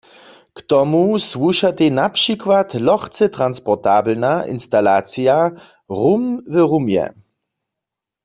K tomu słušatej na přikład lochce transportabelna instalacija "Rum w rumje".